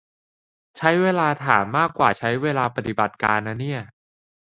ใช้เวลาถามมากกว่าใช้เวลาปฏิบัติการนะเนี่ย